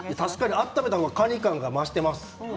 温めた方がカニ感が増しています。